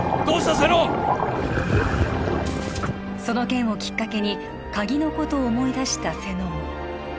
その件をきっかけに鍵のことを思い出した瀬能